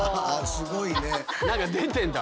すごいね。